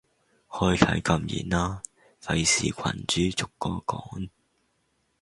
開啟禁言啦，費事群主逐個講